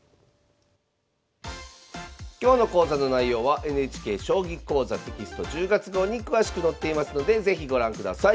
今日の講座の内容はＮＨＫ「将棋講座」テキスト１０月号に詳しく載っていますので是非ご覧ください。